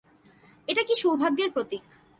এটা সৌভাগ্যের প্রতীক।